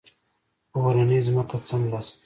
په اورنۍ ځمکه څملاست.